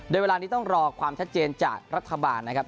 โดยเวลานี้ต้องรอความชัดเจนจากรัฐบาลนะครับ